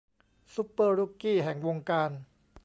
ซูเปอร์รุกกี้แห่งวงการ